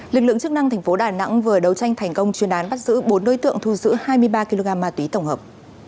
lực lượng chức năng tp đà nẵng vừa đấu tranh thành công chuyên án bắt giữ bốn đối tượng thu giữ hai mươi ba kg ma túy tổng hợp